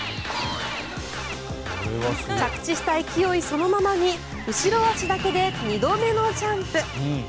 着地した勢いそのままに後ろ足だけで２度目のジャンプ。